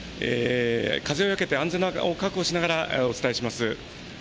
風をよけて安全を確保しながらお伝えします。